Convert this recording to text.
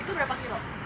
itu berapa kilo